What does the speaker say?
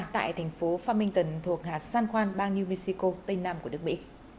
tại thành phố farmington thuộc hạt san juan bang new mexico tây nam của nước mỹ